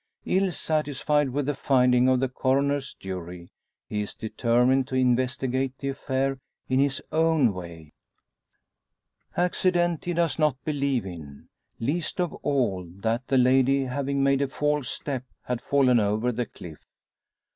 Ill satisfied with the finding of the Coroner's jury, he is determined to investigate the affair in his own way. Accident he does not believe in least of all, that the lady having made a false step, had fallen over the cliff.